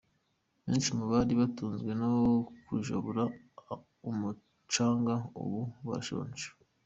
Benshi mu bari batunzwe no kujabura umucanga ubu barashonje.